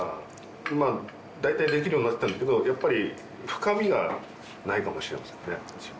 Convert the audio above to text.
だいたいできるようになったんですけどやっぱり深みがないかもしれませんね。